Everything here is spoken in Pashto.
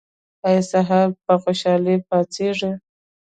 ایا سهار په خوشحالۍ پاڅیږئ؟